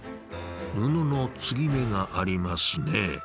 布の継ぎ目がありますねえ。